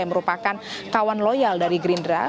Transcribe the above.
yang merupakan kawan loyal dari gerindra